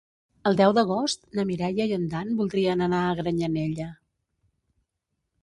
El deu d'agost na Mireia i en Dan voldrien anar a Granyanella.